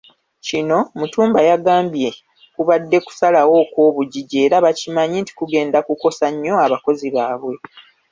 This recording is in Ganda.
Kino, Mutumba yagambye kubadde kusalawo okw'obujiji era bakimanyi nti kugenda kukosa nnyo abakozi baabwe.